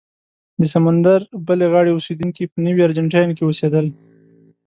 د سمندر بلې غاړې اوسېدونکي په نوي ارجنټاین کې اوسېدل.